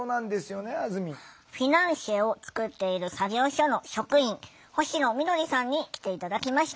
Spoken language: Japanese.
フィナンシェを作っている作業所の職員星野みどりさんに来て頂きました。